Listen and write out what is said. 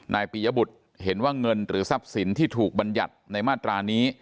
ปียบุตรเห็นว่าเงินหรือทรัพย์สินที่ถูกบรรยัติในมาตรานี้